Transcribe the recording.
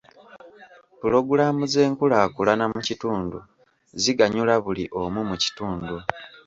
Pulogulaamu z'enkulaakulana mu kitundu ziganyula buli omu mu kitundu.